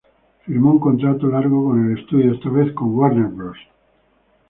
Firmo un contrato largo con el estudio esta vez con Warner Bros.